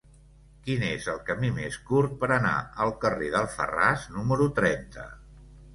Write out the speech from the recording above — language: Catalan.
Quin és el camí més curt per anar al carrer d'Alfarràs número trenta?